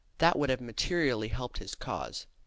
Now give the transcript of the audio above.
That would have materially helped his cause.